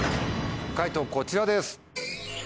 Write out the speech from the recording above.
解答こちらです。